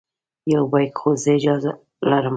یو بیک خو زه اجازه لرم.